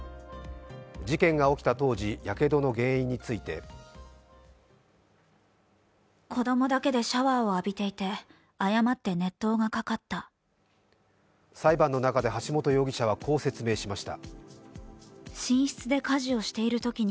事件が起きた当時やけどの原因について裁判の中で橋本容疑者はこう説明しました。